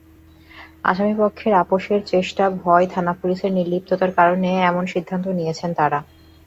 আসামিপক্ষের আপসের চেষ্টা, ভয়, থানা-পুলিশের নির্লিপ্ততার কারণে এমন সিদ্ধান্ত নিয়েছেন তাঁরা।